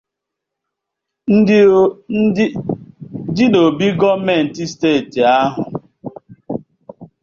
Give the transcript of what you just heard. dị n'obi gọọmenti steeti ahụ